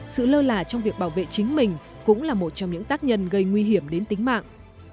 sự lơ là trong việc bảo vệ chính mình cũng là một trong những tác nhân gây nguy hiểm đến tính mạng